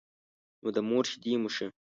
نو د مور شيدې مو شه.